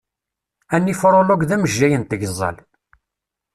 Anifrolog d amejjay n tgeẓẓal.